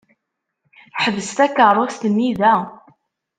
Ḥbes takeṛṛust-nni da.